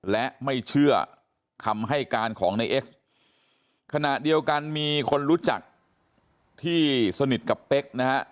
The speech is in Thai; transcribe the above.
และไม่เชื่อคำให้การของในเอ็กซ์ขณะเดียวกันมีคนรู้จักที่สนิทกับเป๊กนะฮะ